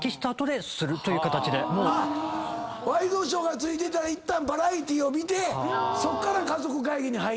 ワイドショーがついてたらいったんバラエティーを見てそこから家族会議に入る。